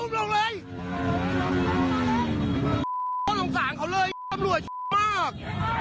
ลงส่างเขาเลยตำรวจมาก